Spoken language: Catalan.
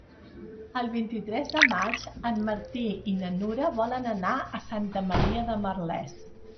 El vint-i-tres de maig en Martí i na Nura volen anar a Santa Maria de Merlès.